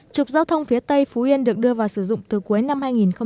trục giao thông phía tây phú yên được đưa vào sử dụng từ cuối năm hai nghìn một mươi tám